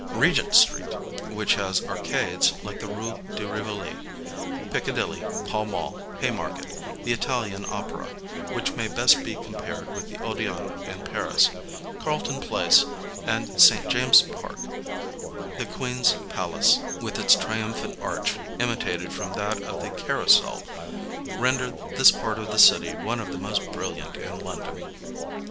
Regent Street, — which has arcades, like the Rue de Rivoli, — Piccadilly, Pall Mall, Hay market, the Italian Opera — ^which may best be compared with the Odean in Paris — Carlton Place and St. James's Park, the Queen's palace with its triumphal arch imitated from that of the Carrousel, render this part of the city one of the most brilliant in London.